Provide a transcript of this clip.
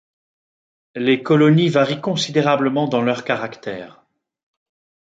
Les colonies varient considérablement dans leur caractère.